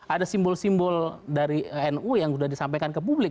ada simbol simbol dari nu yang sudah disampaikan ke publik